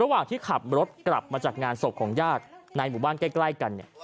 ระหว่างที่ขับรถกลับมาจากงานศพของญาติในหมู่บ้านใกล้กันเนี่ย